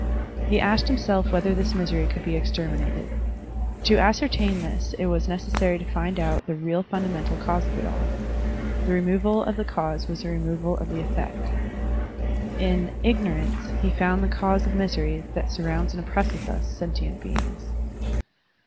He asked himself whether this misery could be exterminated. To ascertain this it was necessary to find out the real ftmda mental cause of it all. The removal of the cause was the removal of the effect. In Ignorance he found the cause of misery that surrounds and oppresses us, sentient beings.